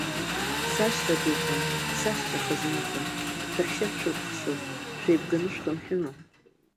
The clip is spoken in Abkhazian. Сашьцәа дуқәа, сашьцәа хазынақәа, шәаҳәшьа дшәыкәыхшоуп, шәеибганы шәхынҳәыма?!